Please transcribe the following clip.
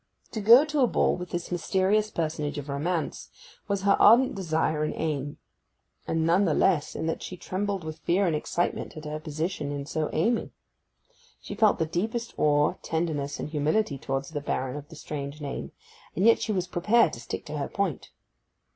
To go to a ball with this mysterious personage of romance was her ardent desire and aim; and none the less in that she trembled with fear and excitement at her position in so aiming. She felt the deepest awe, tenderness, and humility towards the Baron of the strange name; and yet she was prepared to stick to her point.